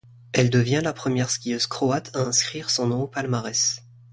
Elle devient la première skieuse croate à inscrire son nom au palmarès.